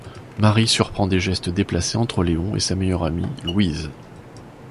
Marie surprend des gestes déplacés entre Léon et sa meilleure amie, Louise.